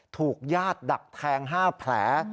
ถูกญาติดักแทง๕แผล